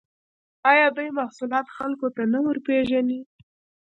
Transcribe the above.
آیا دوی محصولات خلکو ته نه ورپېژني؟